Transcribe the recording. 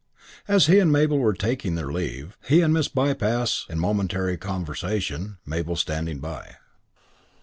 As he and Mabel were taking their leave, he had Miss Bypass in momentary conversation, Mabel standing by.